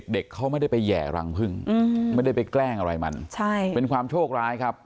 เด็กเขาไม่ได้ไปแห่รังพึ่งไม่ได้ไปแกล้งอะไรมันใช่เป็นความโชคร้ายครับ